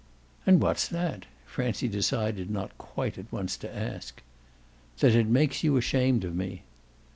"And what's that?" Francie decided not quite at once to ask. "That it makes you ashamed of me."